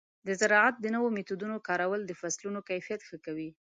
د زراعت د نوو میتودونو کارول د فصلونو کیفیت ښه کوي.